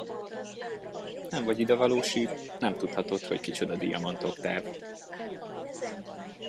Nem vagy idevalósi, nem tudhatod, hogy kicsoda Diamant Oktáv.